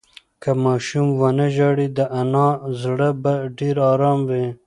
که ماشوم ونه ژاړي، د انا زړه به ډېر ارام وي.